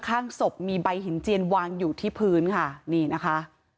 ข้างศพมีใบหินเจียนวางอยู่ที่พื้นค่ะนี่นะคะ